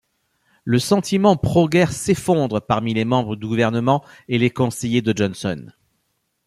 Le sentiment pro-guerre s'effondre parmi les membres du gouvernement et les conseillers de Johnson.